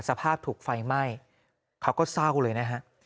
สภาพถูกไฟไหม้เขาก็เศร้าเลยนะฮะ